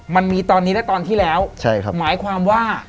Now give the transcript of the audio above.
มันมีตอนนี้และตอนที่แล้วใช่ครับหมายความว่า